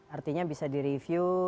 artinya bisa direview